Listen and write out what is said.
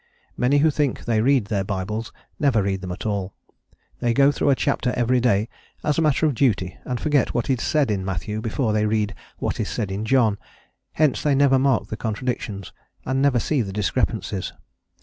Many who think they read their Bibles never read them at all. They go through a chapter every day as a matter of duty, and forget what is said in Matthew before they read what is said in John; hence they never mark the contradictions and never see the discrepancies.